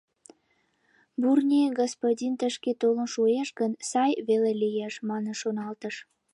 Бурни господин тышке толын шуэш гын, сай веле лиеш, манын шоналтыш.